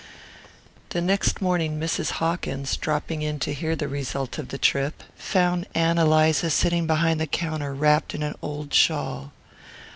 The next morning Mrs. Hawkins, dropping in to hear the result of the trip, found Ann Eliza sitting behind the counter wrapped in an old shawl.